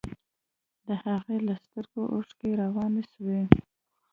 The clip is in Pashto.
د هغوى له سترگو اوښکې روانې سوې.